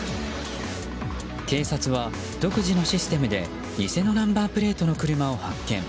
警察は独自のシステムで偽のナンバープレートの車を発見。